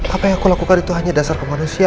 apa yang aku lakukan itu hanya dasar kemanusiaan